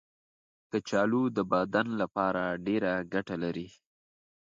کچالو د بدن لپاره ډېره ګټه لري.